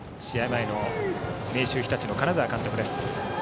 前の明秀日立の金沢監督です。